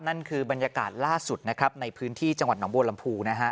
นั่นคือบรรยากาศล่าสุดในพื้นที่จังหวัดหนองบูรรณภูษ์นะฮะ